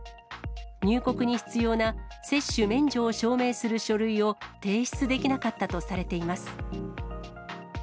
入国に必要な、接種免除を証明する書類を提出できなかったとされています。